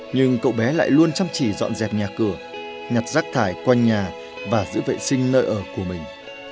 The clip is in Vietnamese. nhưng cậu bé lại luôn chăm chỉ dọn dẹp nhà cửa nhặt rác thải quanh nhà và giữ vệ sinh nơi ở của mình